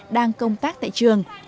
đang công tác tại trường